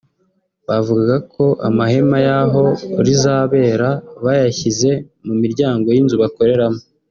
bavugaga ko amahema y’aho rizabera bayashyize mu miryango y’inzu bakoreramo